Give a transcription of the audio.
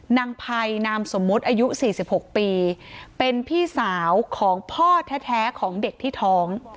นางภัยนามสมมุติอายุ๔๖ปีเป็นพี่สาวของพ่อแท้ของเด็กที่ท้อง